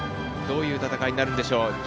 どういう戦いになるんでしょう。